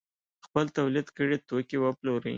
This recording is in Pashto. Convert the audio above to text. خپل تولید کړي توکي وپلوري.